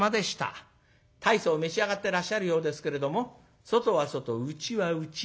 大層召し上がってらっしゃるようですけれども外は外内は内。